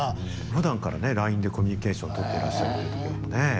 ふだんからねＬＩＮＥでコミュニケーションとってらっしゃるっていうところもね。